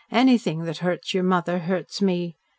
"Anything that hurts your mother hurts me.